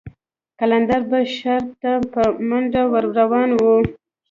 قلندر به شر ته په منډه ور روان و.